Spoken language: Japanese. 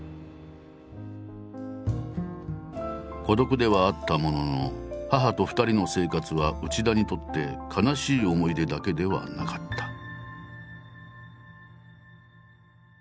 孤独ではあったものの母と２人の生活は内田にとって悲しい思い出だけではなかった。